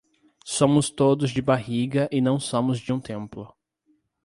Somos todos de barriga e não somos de um "templo".